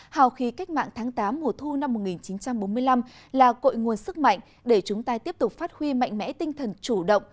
hào khí cách mạng tháng tám mùa thu năm một nghìn chín trăm bốn mươi năm là cội nguồn sức mạnh để chúng ta tiếp tục phát huy mạnh mẽ tinh thần chủ động